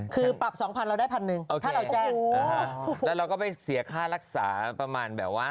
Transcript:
คือปรับ๒๐๐เราได้พันหนึ่งถ้าเราแจ้งแล้วเราก็ไปเสียค่ารักษาประมาณแบบว่า